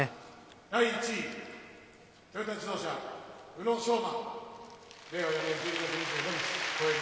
第１位トヨタ自動車宇野昌磨。